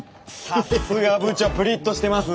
さすが部長ぷりっとしてますね。